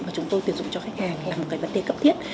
mà chúng tôi tuyển dụng cho khách hàng là một cái vấn đề cấp thiết